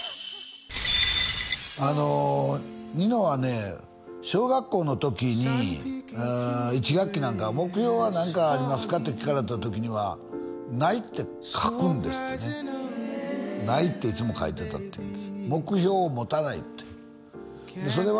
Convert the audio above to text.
あのニノはね小学校の時に１学期なんか目標は何かありますかって聞かれた時にはないって書くんですってねないっていつも書いてたっていうんです